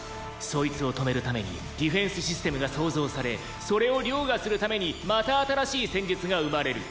「そいつを止めるためにディフェンスシステムが創造されそれを凌駕するためにまた新しい戦術が生まれる」